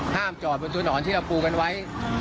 ห้ามจอดบนตัวหนอนที่เราปูกันไว้